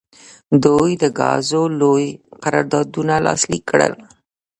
دوی د ګازو لوی قراردادونه لاسلیک کړل.